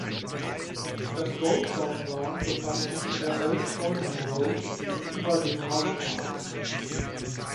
Das Goldstone Ground befand sich in der Old Shoreham Road gegenüber dem Hove Park.